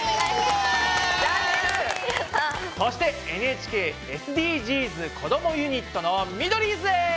そしてＮＨＫＳＤＧｓこどもユニットのミドリーズです！